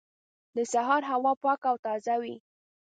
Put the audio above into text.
د سهار هوا پاکه او تازه وه.